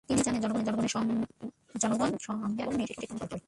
তিনি জানেন, জনগণ তাঁর সঙ্গে আছে, এবং নির্বাচনে সেটাই প্রমাণিত হলো।